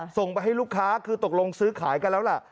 ส่งไปให้ลูกค้าคือตกลงซื้อขายกันแล้วล่ะ